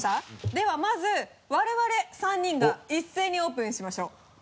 ではまず我々３人が一斉にオープンにしましょう。